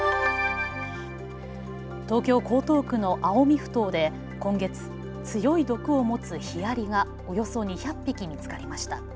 東京江東区の青海ふ頭で今月、強い毒を持つヒアリが、およそ２００匹見つかりました。